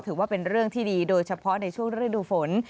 ถือว่าเป็นเรื่องที่ดีโดยเฉพาะในช่วงฤดูฝน